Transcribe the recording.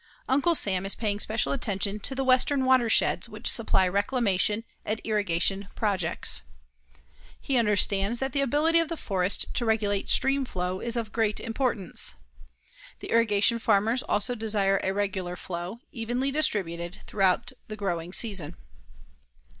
Uncle Sam is paying special attention to the western water sheds which supply reclamation and irrigation projects. He understands that the ability of the forest to regulate stream flow is of great importance. The irrigation farmers also desire a regular flow, evenly distributed, throughout the growing season.